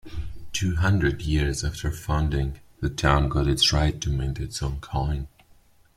Two hundred years after founding, the town got the right to mint its own coin.